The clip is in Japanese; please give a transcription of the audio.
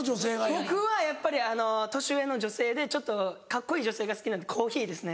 僕はやっぱり年上の女性でちょっとカッコいい女性が好きなんでコーヒーですね。